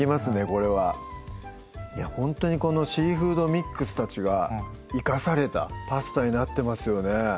これはほんとにこのシーフードミックスたちが生かされたパスタになってますよね